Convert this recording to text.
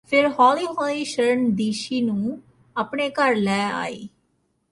ਫਿਰ ਹੌਲੀ ਹੌਲੀ ਸ਼ਰਨ ਦੀਸ਼ੀ ਨੂੰ ਆਪਣੇ ਘਰ ਲੈ ਆਈ